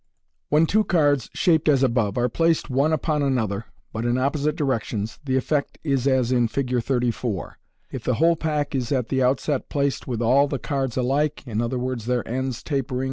When two cards shaped as above are placed one upon another, but in opposite directions, the effect is as in Fig. .34. If the whole pack is at the outset placed with all the cards alike (j^., their ends tapering in MODERN MAGIC. 6l 1 ♦♦ Fig.